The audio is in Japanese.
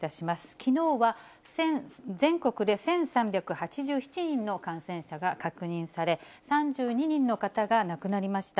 きのうは全国で１３８７人の感染者が確認され、３２人の方が亡くなりました。